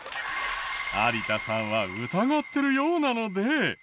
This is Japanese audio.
有田さんは疑ってるようなので。